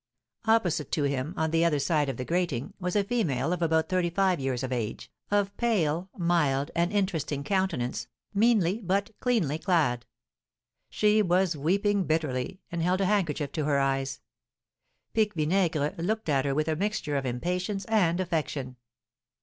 Opposite to him, on the other side of the grating, was a female of about thirty five years of age, of pale, mild, and interesting countenance, meanly but cleanly clad. She was weeping bitterly, and held a handkerchief to her eyes. Pique Vinaigre looked at her with a mixture of impatience and affection.